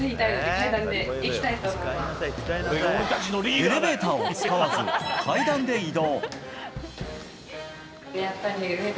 エレベーターを使わず階段で移動。